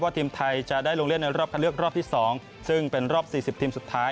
ทีมไทยจะได้ลงเล่นในรอบคันเลือกรอบที่๒ซึ่งเป็นรอบ๔๐ทีมสุดท้าย